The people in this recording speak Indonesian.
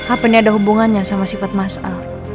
apa nih ada hubungannya sama sifat masal